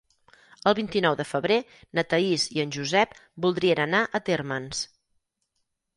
El vint-i-nou de febrer na Thaís i en Josep voldrien anar a Térmens.